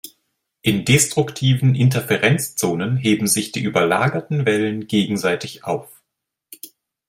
In destruktiven Interferenzzonen heben sich die überlagerten Wellen gegenseitig auf.